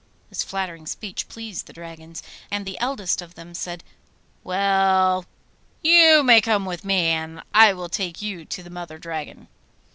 This flattering speech pleased the dragons, and the eldest of them said, 'Well, you may come with me, and I will take you to the Mother Dragon.